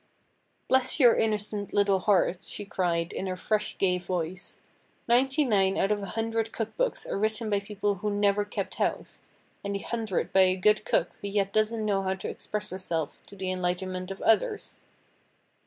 "Bless your innocent little heart!" she cried, in her fresh, gay voice, "Ninety nine out of a hundred cookbooks are written by people who never kept house, and the hundredth by a good cook who yet doesn't know how to express herself to the enlightenment of others.